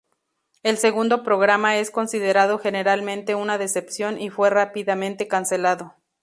El segundo programa es considerado generalmente una decepción y fue rápidamente cancelado.